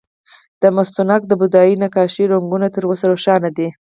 د مستونګ د بودايي نقاشیو رنګونه تر اوسه روښانه دي